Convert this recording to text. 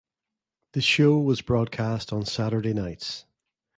The show was broadcast on Saturday nights.